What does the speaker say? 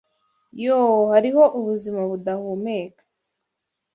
Yoo! hariho ubuzima budahumeka